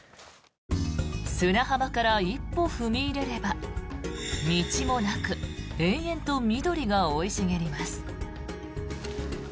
砂浜から一歩踏み入れれば道もなく延々と緑が生い茂ります。